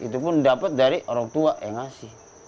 itu pun dapat dari orang tua yang ngasih